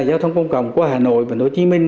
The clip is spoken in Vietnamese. giao thông công cộng của hà nội và hồ chí minh